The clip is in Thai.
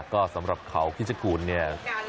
ก็สำหรับเขาคิดจะกูดนี่